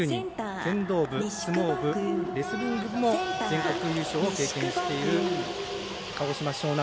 剣道部相撲部、レスリング部も全国優勝を経験している鹿児島、樟南。